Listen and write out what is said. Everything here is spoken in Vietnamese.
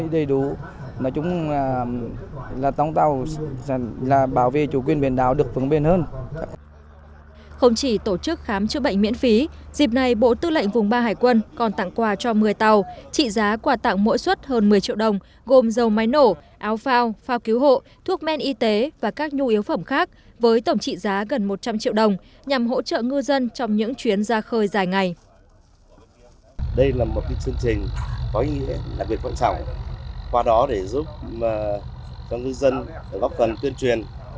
tổ quốc đã tập trung vào một mươi triệu đồng gồm dầu máy nổ áo phao phao cứu hộ thuốc men y tế và các nhu yếu phẩm khác với tổng trị giá gần một trăm linh triệu đồng nhằm hỗ trợ ngư dân trong những chuyến ra khơi dài ngày